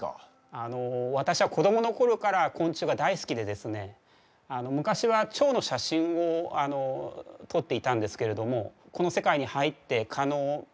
あの私は子どもの頃から昆虫が大好きでですね昔はチョウの写真を撮っていたんですけれどもこの世界に入って蚊の魅力に取りつかれてですね